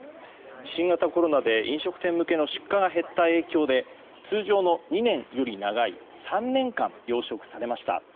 新型コロナで飲食店向けの出荷が減った影響で通常の２年より長い３年間、養殖されました。